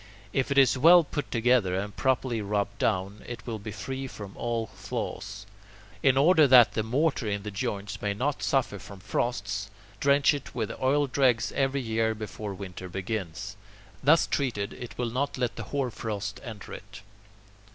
If it is well put together and properly rubbed down, it will be free from all flaws. In order that the mortar in the joints may not suffer from frosts, drench it with oil dregs every year before winter begins. Thus treated, it will not let the hoarfrost enter it.